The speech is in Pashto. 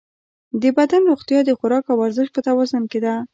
د بدن روغتیا د خوراک او ورزش په توازن کې ده.